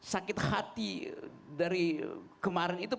sakit hati dari kemarin itu